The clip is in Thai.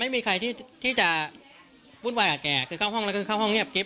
ไม่มีใครที่จะวุ่นวายกับแกคือเข้าห้องแล้วก็เข้าห้องเงียบกิ๊